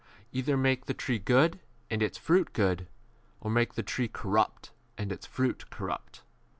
33 Either make the tree good, and its fruit good; or make the tree corrupt, and its fruit corrupt.